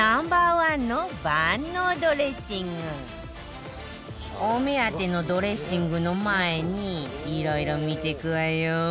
お目当てのドレッシングの前にいろいろ見ていくわよ